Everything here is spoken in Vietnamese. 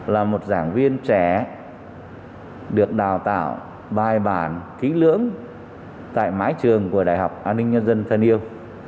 là một giảng viên trẻ được đào tạo bài bản kỹ lưỡng tại mái trường của đại học an ninh nhân dân thân yêu